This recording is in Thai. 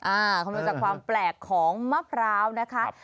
คำนวณจากความแปลกของมะพร้าวนะคะ